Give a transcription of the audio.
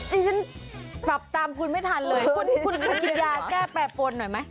ดิฉันปรับตามคุณไม่ทันเลยคุณภรรยาแก้แปรปนหน่อยไหม